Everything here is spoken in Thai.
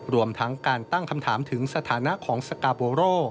รวมทั้งการตั้งคำถามถึงสถานะของสกาโบโร่